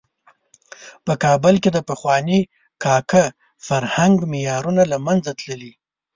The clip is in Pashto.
په کابل کې د پخواني کاکه فرهنګ معیارونه له منځه تللي.